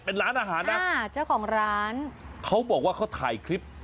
เป็นร้านอาหารนะอ่าเจ้าของร้านเขาบอกว่าเขาถ่ายคลิป